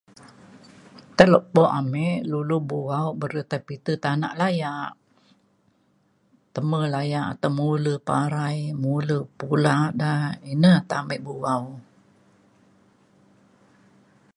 Ta lepo ame dulu bu’au ba re tai piti tana laya teme laya te mule parai mule pula da ina ta ame bu’au